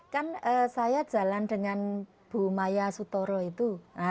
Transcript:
kan saya jalan dengan bu maya sutoro itu